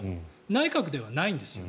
内閣ではないんですよ。